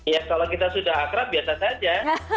ya kalau kita sudah akrab biasa saja